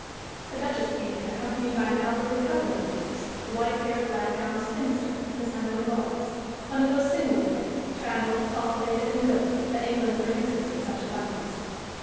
The Duchess came in accompanied by an elderly cousin of the Duke's, a white haired, black gowned spinster, Miss Emily Lawrence one of those single women, travelled, cultivated, and good, that England produces in such abundance.